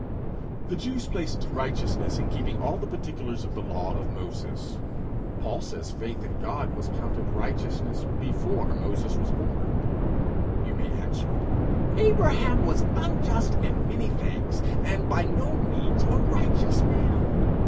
The Jews placed righteousness in keeping all the particulars of the law of Moses: Paul says faith in God was counted righteousness before Moses was born. You may answer, Abraham was unjust in many things, and by no means a righteous man.